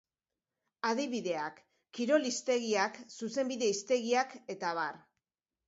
Adibideak: kirol hiztegiak, zuzenbide hiztegiak, eta abar.